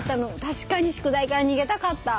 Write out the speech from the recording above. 確かに宿題から逃げたかった。